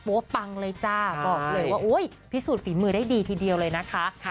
ปังเลยจ้าบอกเลยว่าพิสูจน์ฝีมือได้ดีทีเดียวเลยนะคะ